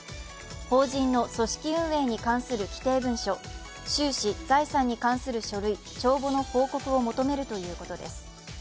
法人の組織運営に関する規定文書、収支・財産に関する書類・帳簿の報告を求めるということです。